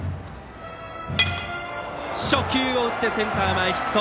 初球を打ってセンター前ヒット。